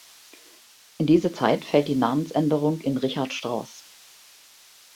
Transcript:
In diese Zeit fällt die Namensänderung in "Richard Strauss".